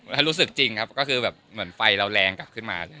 ถ้ารู้สึกจริงครับก็คือแบบเหมือนไฟเราแรงกลับขึ้นมา